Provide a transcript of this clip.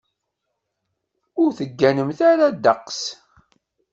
Ur tegganemt ara ddeqs.